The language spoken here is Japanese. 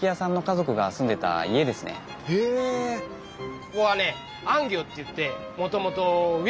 ここはね「安行」っていってもともと植木の町なんだ。